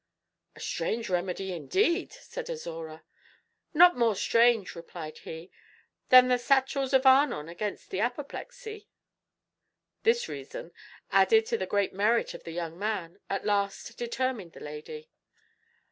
"A strange remedy, indeed!" said Azora. "Not more strange," replied he, "than the sachels of Arnon against the apoplexy." This reason, added to the great merit of the young man, at last determined the lady.